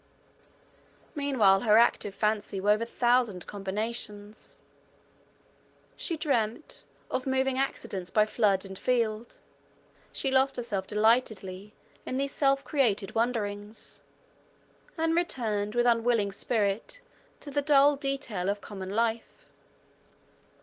Meanwhile her active fancy wove a thousand combinations; she dreamt "of moving accidents by flood and field"—she lost herself delightedly in these self created wanderings, and returned with unwilling spirit to the dull detail of common life.